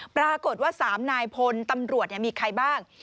ปรากฏว่า๓นายพลตำรวจมีใครบ้าง